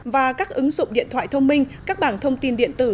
và các ứng dụng điện thoại thông minh các bảng thông tin điện tử